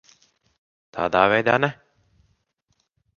Tādā veidā ne.